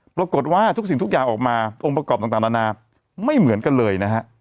ปรากฏว่าทุกสิ่งทุกอย่างออกมาองค์ประกอบต่างนานาไม่เหมือนกันเลยนะฮะ